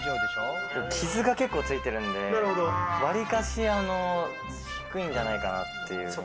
傷が結構ついてるんで、わりかし低いんじゃないかなっていう。